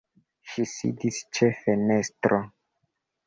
Ŝi sidis ĉe fenestro.